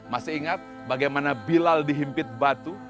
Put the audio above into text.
masih ingat bagaimana bilal dihimpit batu